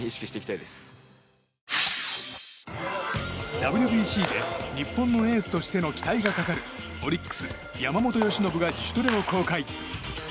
ＷＢＣで日本のエースとしての期待がかかるオリックス、山本由伸が自主トレを公開。